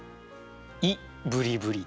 「いブリブリ」。